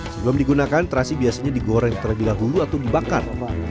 sebelum digunakan terasi biasanya digoreng terlebih dahulu atau dibakar